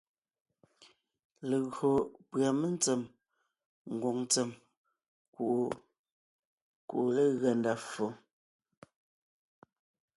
Legÿo pʉ̀a mentsém ngwòŋ ntsèm kuʼu kuʼu legʉa ndá ffo.